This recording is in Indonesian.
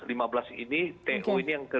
lima belas ini to ini yang ke lima belas